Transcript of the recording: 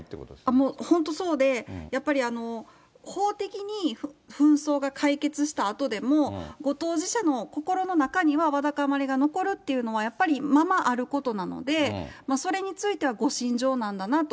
もう、本当そうで、やっぱり法的に紛争が解決したあとでも、ご当事者の心の中には、わだかまりが残るというのは、やっぱりままあることなので、それについてはご心情なんだなと。